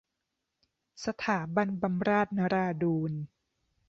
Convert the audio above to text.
สถาบันบำราศนราดูร